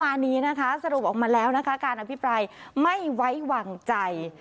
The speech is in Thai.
วันนี้นะฮะสรุปอันล่ะค่าการอภิปรายไม่ไว้วางใจ